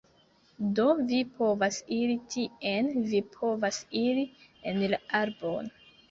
Do vi povas iri tien, vi povas iri en la arbon